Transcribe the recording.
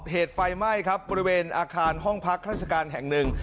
เหตุไฟไหม้ครับบริเวณอาคารห้องพักราชการแห่งหนึ่ง